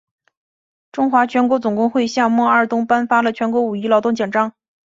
中华全国总工会向孟二冬颁发了全国五一劳动奖章。